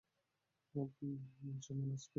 আমার জন্য নাচবে, প্লিজ?